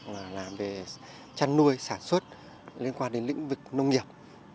về chăn nuôi sản xuất liên quan đến lĩnh vực nông nghiệp